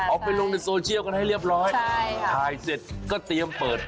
เอาไปลงในโซเชียลกันให้เรียบร้อยถ่ายเสร็จก็เตรียมเปิด